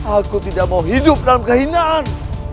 aku tidak mau hidup dalam kehinaan